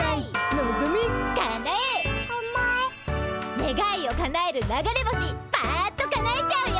ねがいをかなえる流れ星っパッとかなえちゃうよ。